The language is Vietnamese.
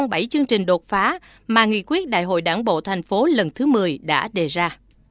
đây là một trong bảy chương trình đột phá mà nghị quyết đại hội đảng bộ thành phố lần thứ một mươi đã đề ra